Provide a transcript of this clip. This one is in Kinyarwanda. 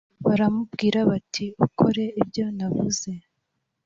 Baramubwira bati ukore ibyonavuze